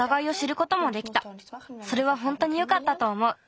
それはほんとによかったとおもう。